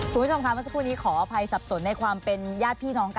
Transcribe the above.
คุณผู้ชมค่ะเมื่อสักครู่นี้ขออภัยสับสนในความเป็นญาติพี่น้องกัน